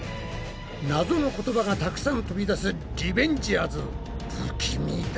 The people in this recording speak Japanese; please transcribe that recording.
ナゾの言葉がたくさん飛び出すリベンジャーズ不気味だ。